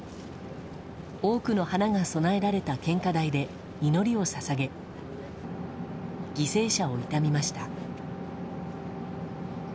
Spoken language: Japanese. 多くの花が供えられた献花台で祈りを捧げ犠牲者を悼みました。